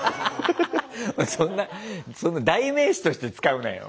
そんなそんな代名詞として使うなよ。